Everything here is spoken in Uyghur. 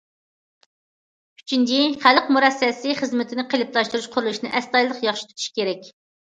ئۈچىنچى، خەلق مۇرەسسەسى خىزمىتىنى قېلىپلاشتۇرۇش قۇرۇلۇشىنى ئەستايىدىل ياخشى تۇتۇش كېرەك.